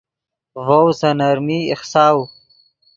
ڤؤ سے نرمی ایخساؤ